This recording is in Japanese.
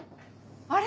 あれ？